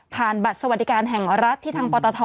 บัตรสวัสดิการแห่งรัฐที่ทางปตท